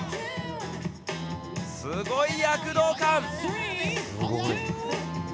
すごい躍動感。